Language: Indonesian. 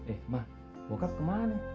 eh ma bokap kemana